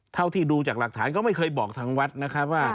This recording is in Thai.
เท่าที่ดูจากหลักฐานก็ไม่เคยบอกทางวัดนะครับว่า